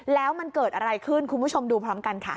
แล้วมันเกิดอะไรขึ้นคุณผู้ชมดูพร้อมกันค่ะ